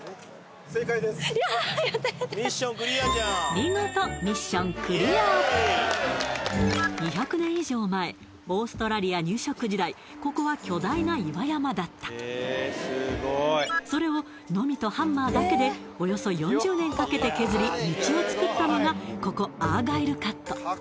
見事２００年以上前オーストラリア入植時代ここは巨大な岩山だったそれをノミとハンマーだけでおよそ４０年かけて削り道を造ったのがここアーガイルカット